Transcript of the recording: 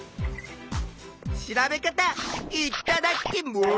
調べかたいっただっきます！